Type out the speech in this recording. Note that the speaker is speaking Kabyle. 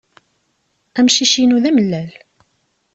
Amcic-inu d amellal.